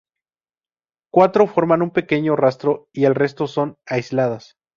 Cuatro forman un pequeño rastro y el resto son aisladas.